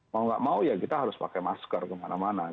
mau nggak mau ya kita harus pakai masker kemana mana